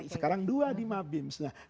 sekarang dua di mabim